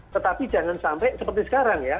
tetapi jangan sampai seperti sekarang ya